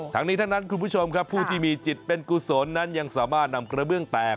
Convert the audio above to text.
ทั้งนี้ทั้งนั้นคุณผู้ชมครับผู้ที่มีจิตเป็นกุศลนั้นยังสามารถนำกระเบื้องแตก